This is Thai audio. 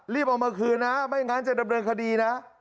เอามาคืนนะไม่งั้นจะดำเนินคดีนะ